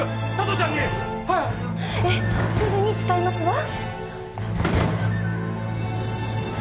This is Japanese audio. ええすぐに伝えますわ。